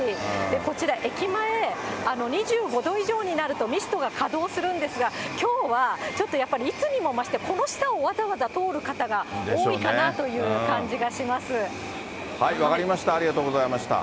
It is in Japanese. こちら、駅前、２５度以上になるとミストが稼働するんですが、きょうはちょっとやっぱりいつにも増して、この下をわざわざ通る分かりました、ありがとうございました。